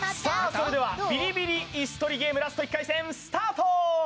それでは「ビリビリイス取りゲーム」ラスト１回戦スタート！